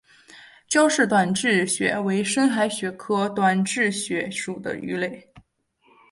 焦氏短稚鳕为深海鳕科短稚鳕属的鱼类。